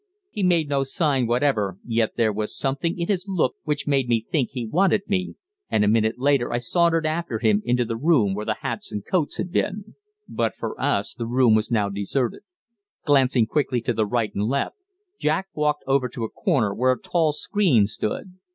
He made no sign whatever, yet there was something in his look which made me think he wanted me, and a minute later I sauntered after him into the room where the hats and coats had been. But for us, the room was now deserted. Glancing quickly to right and left, Jack walked over to a corner where a tall screen stood.